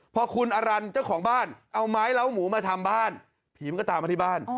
พอคุณอรันต์เจ้าของบ้านเอาไม้เล้าหมูมาทำบ้านผีมันก็ตามมาที่บ้าน